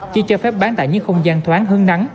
chỉ cho phép bán tại những không gian thoáng hứng nắng